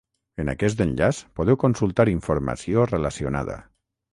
En aquest enllaç podeu consultar informació relacionada.